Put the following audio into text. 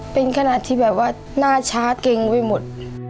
เป็นขนาดที่แบบว่าหน้าช้าเก่งไปหมด